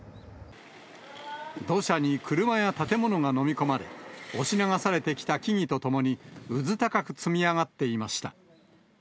土砂に車や建物が飲み込まれ、押し流されてきた木々とともに、うずたかく積み上がっていました。